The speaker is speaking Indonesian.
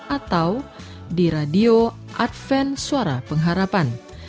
atau di radio adventsuara pengharapan